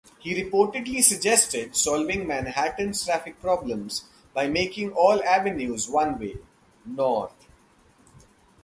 He reportedly suggested solving Manhattan's traffic problems by making all avenues one-way, north.